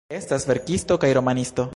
Estas verkisto kaj romanisto.